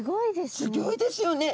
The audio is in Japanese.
すギョいですよね。